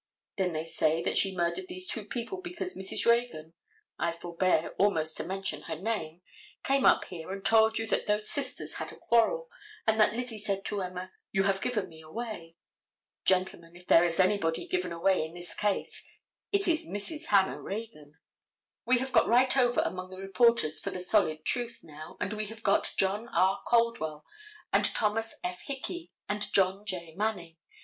Then they say that she murdered these two people because Mrs. Reagan, I forbear almost to mention her name, came up here and told you that those sisters had a quarrel, and that Lizzie said to Emma, "You have given me away." Gentlemen, if there is anybody given away in this case, it is Mrs. Hannah Reagan. We have got right over among the reporters for the solid truth, now, and we have got John R. Caldwell and Thomas F. Hickey, and John J. Manning.